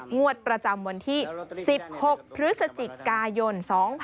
งวดประจำวันที่๑๖พฤศจิกายน๒๕๖๒